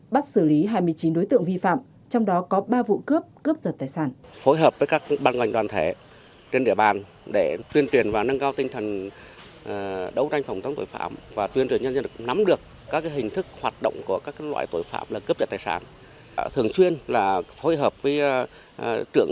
bắt xử lý hai mươi chín đối tượng vi phạm trong đó có ba vụ cướp cướp giật tài sản